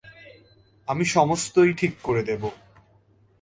আমি সমস্তই ঠিক করে দেব।